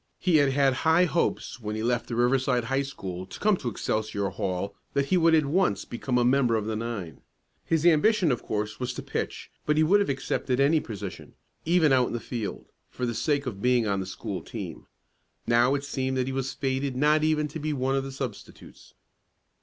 He had had high hopes when he left the Riverside High School to come to Excelsior Hall that he would at once become a member of the nine. His ambition, of course, was to pitch, but he would have accepted any position even out in the field, for the sake of being on the school team. Now it seemed that he was fated not even to be one of the substitutes.